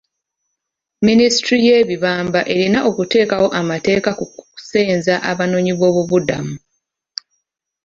Minisitule y'ebibamba erina okuteekawo amateeka ku kusenza abanoonyiboobubudamu.